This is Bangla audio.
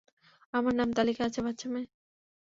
আমার নাম তালিকায় আছে, বাচ্চা মেয়ে।